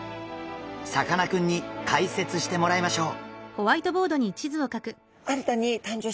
さかなクンに解説してもらいましょう。